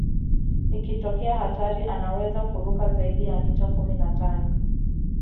Ikitokea hatari anaweza kuruka zaidi ya mita kumi na tano